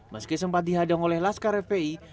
meski sempat dihadang oleh laskar fpi